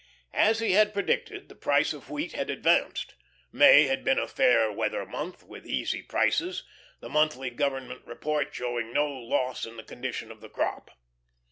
As he had predicted, the price of wheat had advanced. May had been a fair weather month with easy prices, the monthly Government report showing no loss in the condition of the crop.